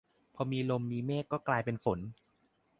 พอมีลมมีเมฆก็กลายเป็นฝน